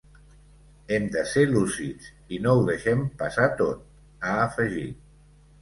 Hem de ser lúcids i no ho deixem passar tot, ha afegit.